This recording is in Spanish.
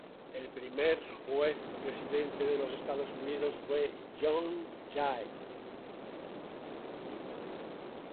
El primer Juez Presidente de los Estados Unidos fue John Jay.